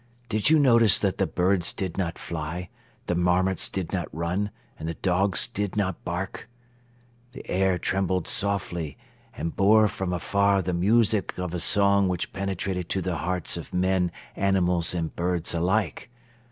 Did you notice that the birds did not fly, the marmots did not run and the dogs did not bark? The air trembled softly and bore from afar the music of a song which penetrated to the hearts of men, animals and birds alike.